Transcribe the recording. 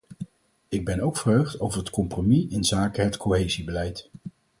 Ik ben ook verheugd over het compromis inzake het cohesiebeleid.